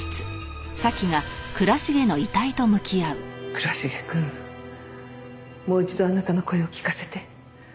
倉重くんもう一度あなたの声を聞かせて。